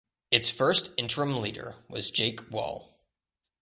Its first interim leader was Jake Wall.